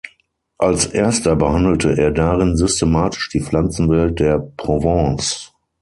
Als Erster behandelte er darin systematisch die Pflanzenwelt der Provence.